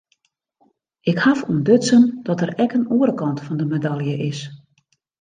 Ik haw ûntdutsen dat der ek in oare kant fan de medalje is.